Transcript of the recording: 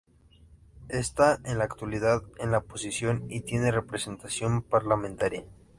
Está en la actualidad en la oposición y tiene representación parlamentaria.